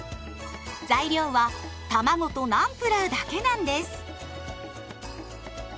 材料はたまごとナンプラーだけなんです。